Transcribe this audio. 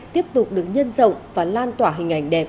tiếp tục được nhân rộng và lan tỏa hình ảnh đẹp